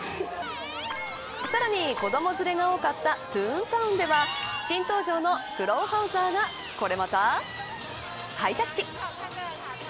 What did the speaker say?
さらに、子供連れが多かったトゥーンタウンでは新登場のクロウハウザーがこれまた、ハイタッチ。